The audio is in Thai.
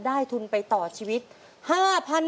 ทุนไปต่อชีวิต๕๐๐๐บาท